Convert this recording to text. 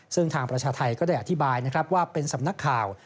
ซึ่งทางประชาไทยก็ได้อธิบายนะครับว่าเป็นสำนักข่าว